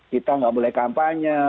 kita nggak boleh kampanye